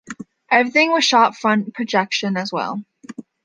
Everything was shot front projection as well.